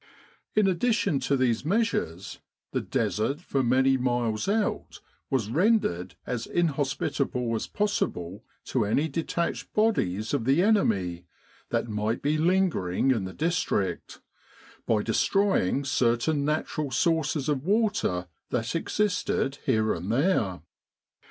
In addition to these measures, the Desert for many miles out was rendered as inhos pitable as possible to any detached bodies of the 84 Kantara and Katia enemy that might be lingering in the district, by destroying certain natural sources of water that existed here and there.